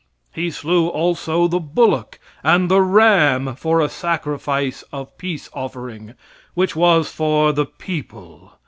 He slew also the bullock and the ram for a sacrifice of peace offering, which was for the people.